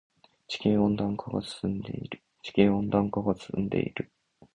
地球温暖化が進んでいる。